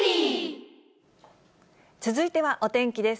続いてはお天気です。